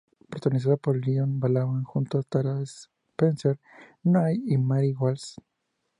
Protagonizada por Liane Balaban junto a Tara Spencer-Nairn y Mary Walsh.